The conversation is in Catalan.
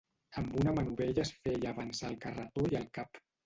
Amb una manovella es feia avançar el carretó i el cap.